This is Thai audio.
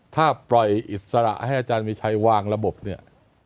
ถ้าปล่อยอิสระให้อาจารย์มีชัยวางระบบเนี่ย